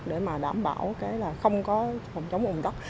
để mà đảm bảo không có chống ủng tắc